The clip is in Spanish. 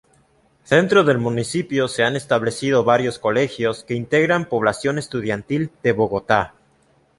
Dentro del municipio se han establecido varios colegios que integran población estudiantil de Bogotá.